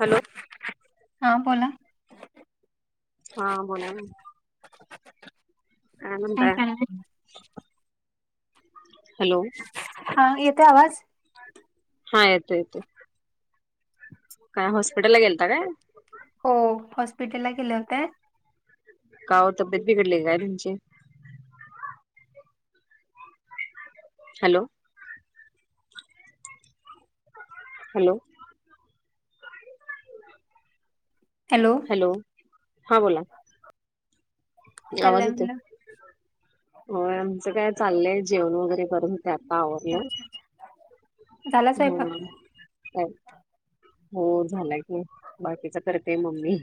Hello हा बोला हा बोलाना काय म्हणताय? हॅलो हा येते आवाज हा येतोय येतोय. काय हॉस्पिटलला गेलता काय? होय, हॉस्पिटलला गेले होते. का ओ तब्येत बिघडली काय तुमची? हॅलो हॅलो हॅलो हॅलो, हा बोला आवाज चाललंय येतोय? म्हणलं आमचं काय चाललंय जेवण वगैरे करून ते आता आवरलं. अच्छा अच्छा झाला स्वयंपाक हम्म का हो झाला की, बाकीच करते मम्मी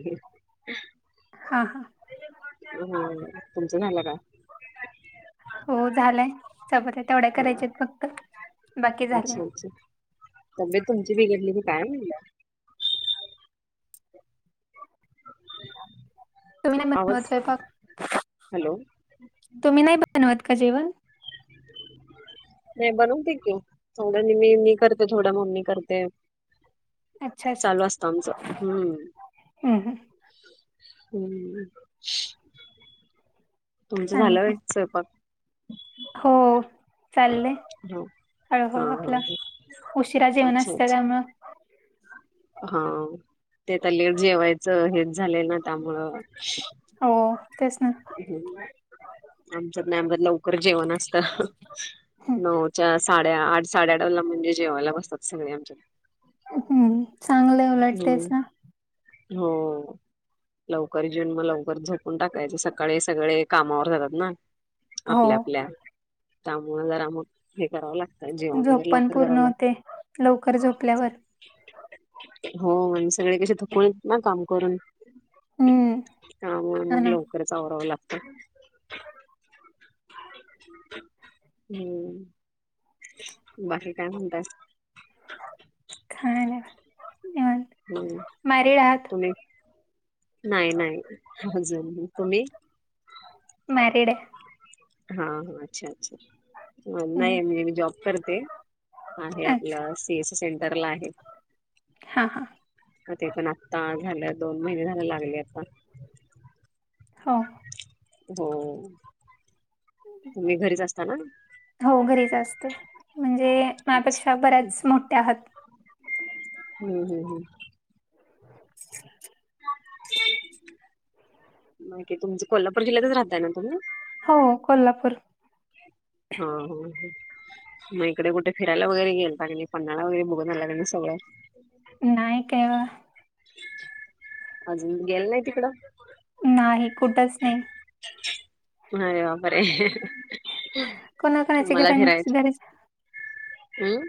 हा हा हम्म, तुमचं झाला का? हो झालंय, चपात्या तेवढ्या हा करायच्यात फक्त. बाकी झालंय अच्छा अच्छा, तब्येत तुमची बिघडलेली काय म्हटलं? तुम्ही नाही बनवत आवाज स्वयंपाक? हॅलो तुम्ही नाही बनवत का जेवण? नाही बनवते की, थोडं मी मी करते थोडं मम्मी करते. अच्छा अच्छा चालू असतं आमचं, हम्म हम्म तुमचं झाला चांगलंय व्हय स्वयंपाक? हो चाललय हा हा हळूहळू हा आपला, हा. उशिरा जेवण अच्छा असतं अच्छा त्यामुळं हा ते आता लेट जेवायचं हेच झालय ना त्यामुळं हो तेच ना. आमच्यात ना जरा लवकर जेवण असत, हम्म नऊच्या साडे, आठ - साडेआठला म्हणजे जेवायला बसतात सगळे आमच्यात. हम्म, चांगलंय उलट तेच हम्म ना. हो लवकर जेवुन मग, लवकर झोपून टाकायचं स काळी सगळे कामावर जातात ना हो आपल्या आपल्या त्यामुळं जरा मग हे करावं लागत झोप पण पूर्ण होते लवकर झोपल्यावर. हो मग सगळे कसे थकून येतात ना काम करून हम्म त्यामुळ हा मग ना लवकरच आरावं लागतं. हम्म बाकी काय म्हणताय? काही नाय निवांत. हम्, मॅरिड आहात तुम्ही नाही नाही अजून, तुम्ही? मॅरीड हाय. हां ह अच्छा, अच्छा हम्म. नाही, मी जॉब करते आणी अच्छा आपलं सीएससी सेंटरला आहे. हा, हा हा ते पण आत्ता झालं दोन महिने झाला लागले आता हा हो तुम्ही घरीच असता ना? हो घरीच असते म्हणजे त्या अच्छा. पेक्षा बऱ्याच मोठे आहात. हम्म हम् हम्म [inaudible] बाकी तुमचं कोल्हापूर जि्ह्यातच राहता ना तुम्ही? हो, कोल्हापूर हा ह मग इकडे कुठे फिरायला वगैरे गेलता काय नाही पन्हाळा वगैरे बघून आला काय नाही सगळं? नाही काय. अजून गेल नाही तिकडं? नाही कुठच नाही. अरे बापरे आ कोणाकोणाची तुम्हांला घरांची फिरायंच, घरी हम्मं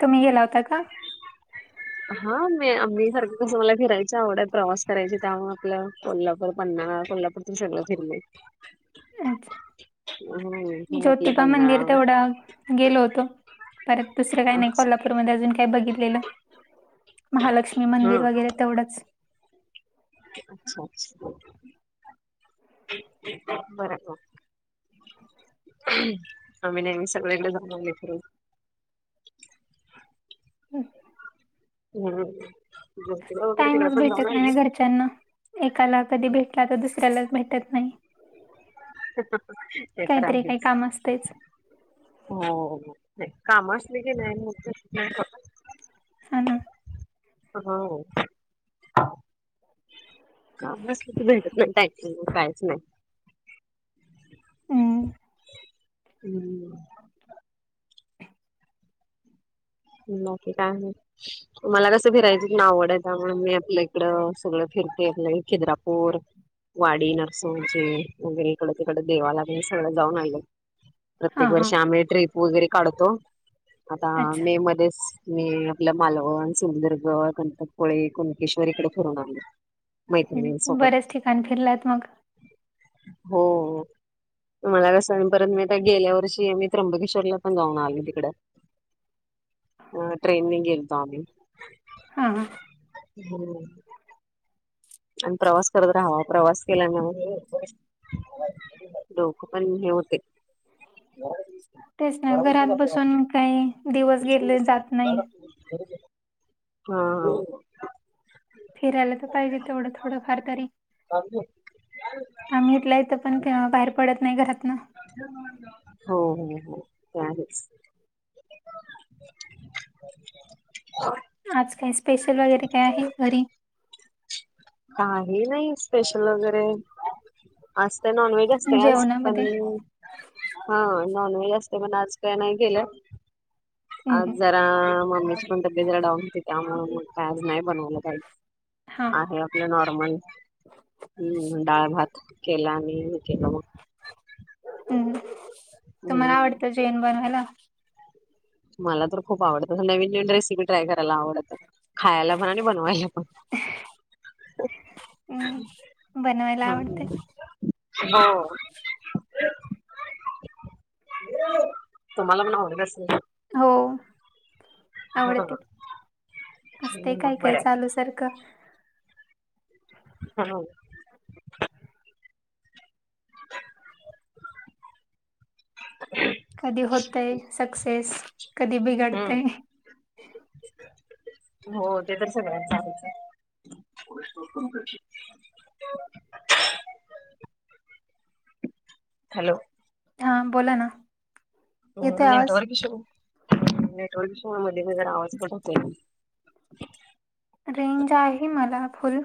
तुम्हीं गेला होता का? हां मी आम्ही सारखं कसं मला फिरायची आवड हाय प्रवासात करायची त्यामुळें आपलं कोल्हापूर पन्हाळा कोल्हापूर मी सगळं फिरले. अच्छा होय ज्योतिबा मंदिर तेवढा गेलो होतो परत दुसरं काय नाही अच्छा कोल्हापूरमध्ये अजून काही बघितलेलं महालक्ष्मी हां, मंदिर वगैरे तेवढंच अच्छा अच्छा बराबर आम्हीं नेहमी सगळे लहान- लहान लेकर. हम्मं म्हणून जोतिबा वैगेरे तिकडे पण जाणारं आहे. च्यांनां, एकाला कधीं भेटला तरं दुसऱ्याला भेटतं नाही. [unintelligible] कायतरी एक कामं असतयच. हा, नाही काम असले की नाय मगं हा ना हाँ काम असल की भेटत नाही कायच नाही. हम्म हम्मं हम्म, बाकी काय मगं? मला कसं फिरायची नां आवड हाय त्यामुळं मी आपल्या इकडं सगळं फिरते आपलं हे खिद्रापूर वाडी, नरसिहाची वगैरे इकडं तिकडं देवालाही सगळं जाऊंन आयलय हां, प्रत्येक हां. वर्षी आम्हीं ट्रिप वगैरे काढतो आता अच्छा. मे मध्यें बस ने आपल मालवण, सिंधदुर्ग, गणपतपुळे कुणकेश्वर कडे फिरून आलोय हं. मैत्रिणी सोबतं बरेच ठिकाण फिरलात मग. हो हो मला कसं आणि परतं मी आ गेल्या वर्षी मी त्र्यंबकेश्वरला पणं जाऊंन आलों तिकडं. अ ट्रेनिं गेलतो आम्हीं हां हां हो आणि प्रवास करतं रहावा आणि प्रवास केल्यानं हे. डोकं पणं हे होतें. तेचं नां घरांत बसून कांहीं दिवस गेले जातं नाहीं. हां हां फिरायला तरं पाहिजे तेवढं थोडं फार तरी आम्हीं इथल्यांईथं पणं बाहेर पडतं नाहीं घरातंन. हो हो हो ते आहेचं. हो [unintelligible] आज कायं स्पेशल वगैरें कायं आहे कां घरी कांहीं नाहीं स्पेशल वगैरें आज कांय नॉन व्हेज असतें आज जेवणामध्ये? हो हां नॉन व्हेज असते पणं आज कायं नाहीं केेलं. हं, आज हं. जरा मंमीचीपणतब्ये जरा डाऊन होती त्यां मूळ कायं आज नाहीं बनवलं कांहीच हां. आहे आपलं नॉर्मल. हम्मं डाळ भात केलां आणि मी हे केलं मगं. हम्मं तुम्हांला हम्म. आवडतं जेवणं बनवायंला. मला तरं खूप आवडतं तसं नव्हीन नव्हिन रेसिपी ट्राय करायला आवडतं. खायालां पणं आणि बनवांयला पणं हम्म बनवायला आवडते. हो. तुम्हाला पण आवडत असलं ना. हो हो आवडते असतेय काय मग काय बरं चालूच. तर्क हो हो [unintelligible] कधीं होतंय सक्सेस कधीं हम्म. बिघडंतय. हो ते तरं सगळ्यांत चालायचं. हॅलो हा बोला ना. येतोय हम्म आवाज नेटवर्क ईश्यू नेटवर्क ईश्यू मुळे मधे जरा आवाज कट होतोय. रेंज आहे मला फुल.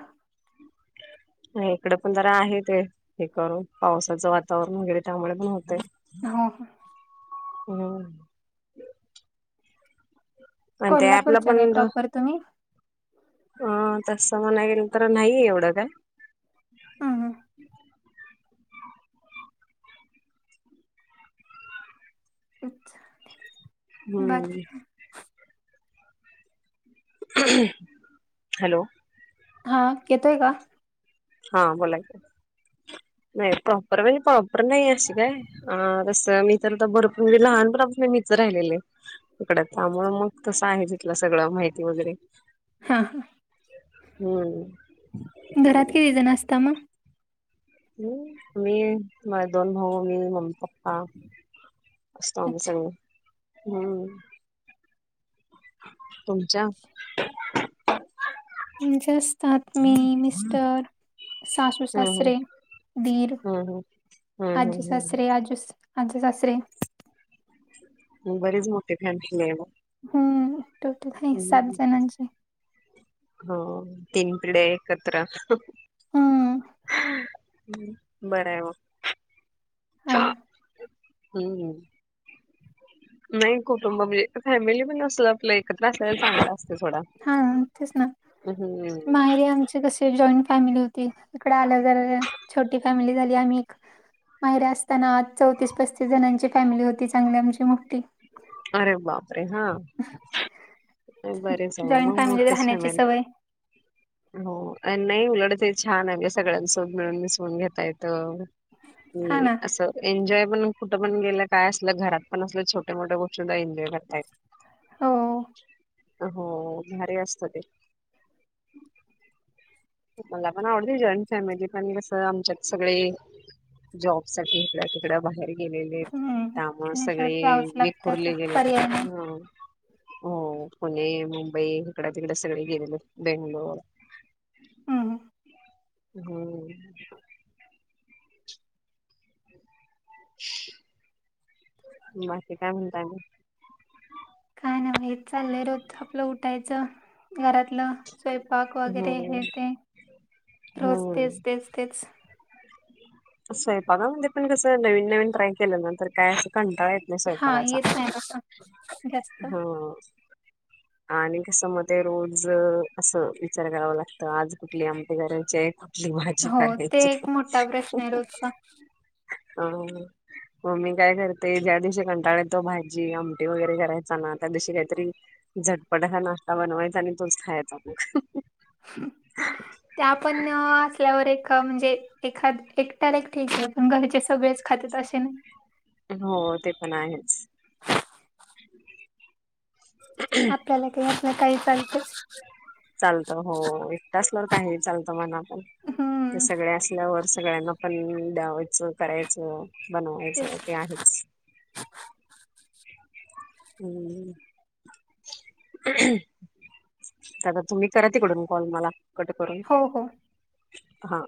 आणि इकडे पण जरा आहे ते हे करून पावसाचं वातावरण हून गेले त्यामुळे पण होतेय हो हो हम्म. आणि ते आपला कोल्हापूरच्या काय पण प्रॉपर तुम्ही अ तसं म्हणाया गेल तर नाहीये एवढं काय. हम्म हम्म. अच्छा बाकी हम्म का हॅलो. हा येतोय का? हा बोला की हो नाही [unintelligible] काय अ तस मी तर तर भरपूर म्हे लहानपणा पासून मीच राहिलेले. तिकड त्यामुळे मग तसं आहे तिथलं सगळं माहिती वगैरे हा हम्म घरात किती जण असतां मगं? हम्म मी माये दोन भाऊ मीन मम्मी पप्पा. असतो आम्ही अच्छा सगळे हम्म. [unintelligible] तुमच्या? [unintelligible] आमचे असतात मी मिस्टर [unintelligible] सासू सासरे दीर [unintelligible] हा हां. [unintelligible] आजी सासरे आजू सा आजत सासरे [unintelligible] बरींच मोठी फॅमिली हाय मगं. [unintelligible] हम्म. [unintelligible] सात [inaudible] जणांची [unintelligible] हो तीन पिढ्या एकत्र हम्म बराय मंग. हा ना हम्म नाही कुटुंब म्हण फॅमिली पण असल आपलं एक खटला असलेला चांगल अस [unintelligible] हा तेच ना हम्म माहेरी आमच्या [unintelligible] ते कंसय जॉईंट फॅमिली होती इकडे आलं जरा छोटी फॅमिली झाली आम्ही एक माहेरी असताना अ चौतीस पस्तीस जणांची फॅमिली होती चांगली आमची मोठ्ठी. अरे बापरे हा बरच म जॉईंट फॅमिलीत मोठ्ठीच राहण्याची फॅमिली [inaudible] सवय [unintelligible] हो अ नाही उलट ते छान आहे सगळ्यांसोबत मिळून मिसळून घेता येतं हा ए ना असं एन्जॉय पण कुठं पण गेलं काय असल घरात पण असल छोट्या मोठ्या गोष्ट [unintelligible] हो [unintelligible] हो भारी असतं ते. [unintelligible] मला पण आवडते जॉईंट फॅमिली पण कसं आमच्यात सगळे जॉब साठी इकड् तिकड्या बाहेर गेलेलेत हम्म त्यामुळे तर सगळे जावंच लागतं फुर्ली पर्याय गेलेली नाही [unintelligible] हो पुणे मुंबई इकड तिकडे सगळे गेलेलेत बेंगलोर हम्म हम [unintelligible] बाकी काय म्हणताय मंग? काय नाही व हे चाललंय रोज आपलं उठायचं [unintelligible] घरातलं स्वयंपाक वगैरे हम्म हे ते रोज हम्म तेच तेच तेच [unintelligible] स्वयपागा मध्ये पण कसं नवीन नवीन ट्राय केलं ना तर नंतर काय असं कंटाळा ये नाई हा स्वयपाकाचा येत नाही तसं जास्त हां. आणि कसं मत रोज असं विचार कराव लागतं आज कुठली आम ची कुठली भाजी हो कराय [unintelligible] ते एक मोठा प्रश्न आहे रोजचा [unintelligible] हा [unintelligible] मग मी काय करते ज्या दिवशी कंटाळ येतो भाजी आमटी वगैरे करायचा ना त्या दिवशी काहीतरी [unintelligible] झटपट नाश्ता बनवायचा आणि तोच खायचा मग त्या पण असल्यावर एक म्हणजे एखाद एकट्याला ठीकय [unintelligible] पण घरचे सगळेच खातेत असे नाही [unintelligible] हो ते पण आहेच [unintelligible] आपल्याला काहीलं काही चाल [unintelligible] चालत हो एकट असल्यावर काही नाय चालतं मना पण ते हम्म सगळे अस तल्या वर सगळ्यांना पण द्यावायचं करायच बनवायचं तेच ते आहेच हम् [unintelligible] तर आता तुम्ही करा तिकडून कॉल मला कट करून हो हो हा